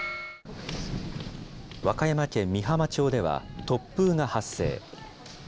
和歌山県美浜町では、突風が発生。